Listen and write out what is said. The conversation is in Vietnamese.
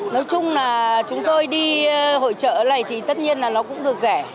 nói chung là chúng tôi đi hội trợ này thì tất nhiên là nó cũng được rẻ